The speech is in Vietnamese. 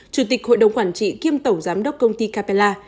chủ tịch hội đồng quản trị kiêm tổng giám đốc công ty capella